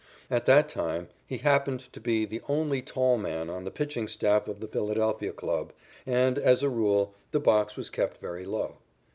At that time he happened to be the only tall man on the pitching staff of the Philadelphia club, and, as a rule, the box was kept very low.